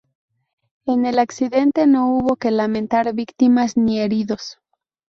En el accidente no hubo que lamentar víctimas ni heridos.